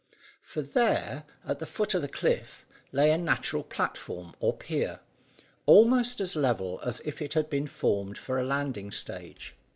For there, at the foot of the cliff, lay a natural platform or pier, almost as level as if it had been formed for a landing stage.